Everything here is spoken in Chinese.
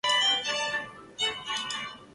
车站位于金山大道与金南一路路口。